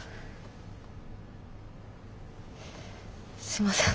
すいません